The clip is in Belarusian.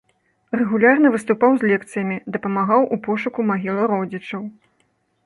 Рэгулярна выступаў з лекцыямі, дапамагаў у пошуку магіл родзічаў.